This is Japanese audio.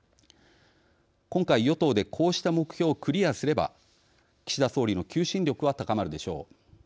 今回、与党でこうした目標をクリアすれば岸田総理の求心力は高まるでしょう。